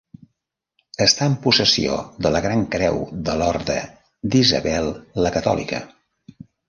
Està en possessió de la Gran Creu de l'Orde d'Isabel la Catòlica.